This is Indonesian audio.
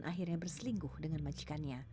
akhirnya berselingkuh dengan majikannya